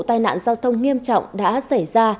tai nạn giao thông nghiêm trọng đã xảy ra